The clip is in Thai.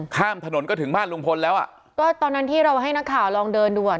ข้ามถนนก็ถึงบ้านลุงพลแล้วอ่ะก็ตอนนั้นที่เราให้นักข่าวลองเดินดูอ่ะ